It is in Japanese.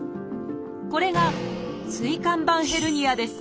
これが「椎間板ヘルニア」です。